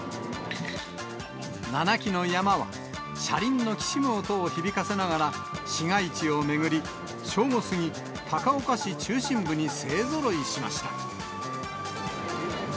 ７基の山車は、車輪のきしむ音を響かせながら、市街地を巡り、正午過ぎ、高岡市中心部に勢ぞろいしました。